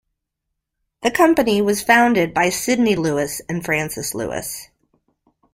The company was founded by Sydney Lewis and Frances Lewis.